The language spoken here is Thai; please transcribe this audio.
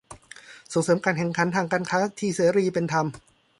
ส่งเสริมการแข่งขันทางการค้าที่เสรี เป็นธรรม